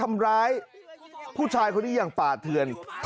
ประเภทประเภทประเภท